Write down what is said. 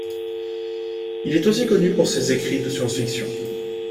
Il est aussi connu pour ses écrits de science-fiction.